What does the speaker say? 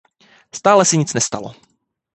Stále se nic nestalo.